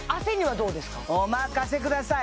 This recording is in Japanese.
お任せください！